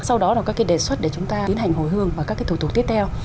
sau đó là các cái đề xuất để chúng ta tiến hành hồi hương và các cái thủ tục tiếp theo